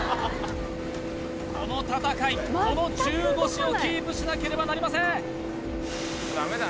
この戦いこの中腰をキープしなければなりません